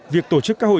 việc tổ chức các hội trợ